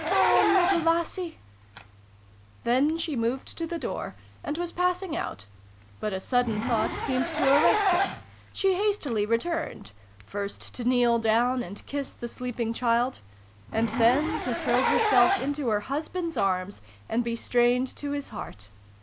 " My own little lassie !" Then she moved to the door, and was passing out, but a sudden thought seemed to arrest her : she hastily returned first to kneel down and kiss the sleeping child, and then to throw herself into her husband's arms and be strained to his heart.